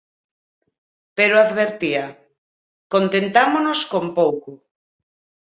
Pero advertía: "Contentámonos con pouco".